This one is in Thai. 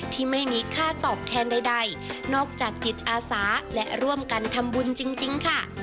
ที่ไม่มีค่าตอบแทนใดนอกจากจิตอาสาและร่วมกันทำบุญจริงค่ะ